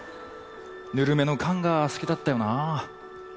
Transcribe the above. ぬるめの燗が好きだったよなぁ。